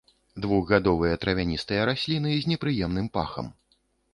Двухгадовыя травяністыя расліны з непрыемным пахам.